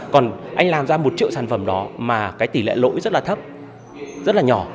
còn anh làm ra một triệu sản phẩm đó mà cái tỷ lệ lỗi rất là thấp rất là nhỏ